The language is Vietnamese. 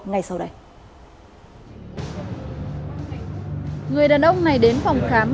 người đàn ông này đến phòng khám